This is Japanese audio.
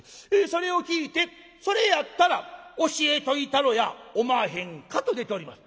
それを聞いて『それやったら教えといたろやおまへんか』と出ております。